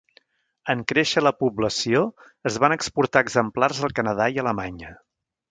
En créixer la població, es van exportar exemplars al Canadà i a Alemanya.